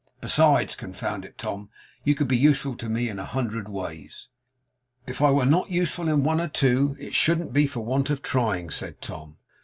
Besides, confound it, Tom, you could be useful to me in a hundred ways.' 'If I were not useful in one or two, it shouldn't be for want of trying,' said Tom.